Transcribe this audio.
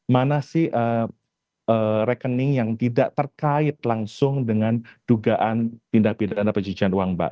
mana sih rekening yang tidak terkait langsung dengan dugaan tindak pidana pencucian uang mbak